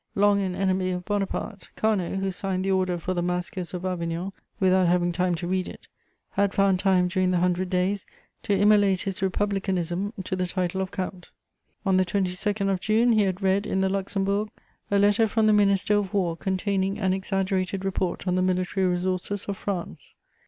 Long an enemy of Bonaparte, Carnot, who signed the order for the massacres of Avignon without having time to read it, had found time during the Hundred Days to immolate his republicanism to the title of count. On the 22nd of June, he had read, in the Luxembourg, a letter from the Minister of War containing an exaggerated report on the military resources of France.